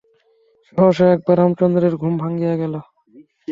সহসা একবার রামচন্দ্রের ঘুম ভাঙিয়া গেল।